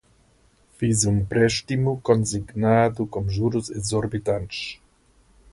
Fiz um empréstimo consignado com juros exorbitantes